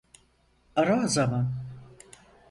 Ara o zaman.